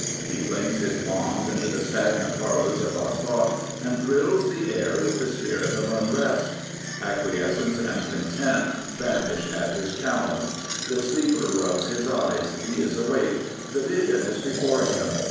He flings his bombs into the stagnant parlours of our thougKt, and thrills the air with the spirit of unrest. Acq u i es cence and content vanish at his challenge. The sleeper rubs his eyes. He is awake. The vision is before him.